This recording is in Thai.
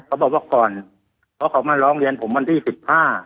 เขาบอกว่าก่อนเพราะเขามาร้องเรียนผมวันที่สิบห้า